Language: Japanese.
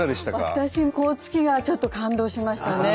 私甲突川ちょっと感動しましたね。